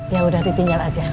ya udah ditinggal aja